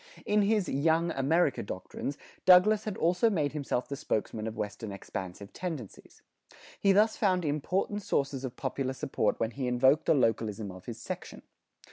In his "Young America" doctrines Douglas had also made himself the spokesman of Western expansive tendencies. He thus found important sources of popular support when he invoked the localism of his section.